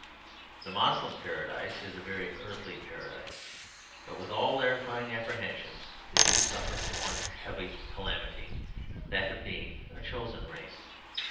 The Moslem Paradise is a very Earthly Paradise. But with all their fine apprehensions, the Jews suffer from one heavy calamity; that of being a Chosen Race.